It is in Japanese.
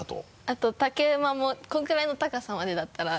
あと竹馬もこのぐらいの高さまでだったら。